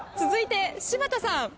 続いて柴田さん。